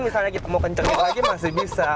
misalnya kita mau kencangnya lagi masih bisa